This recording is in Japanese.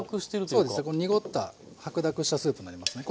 そうですねこの濁った白濁したスープになりますね。